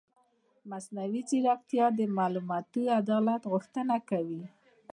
مصنوعي ځیرکتیا د معلوماتي عدالت غوښتنه کوي.